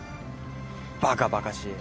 バカバカしい。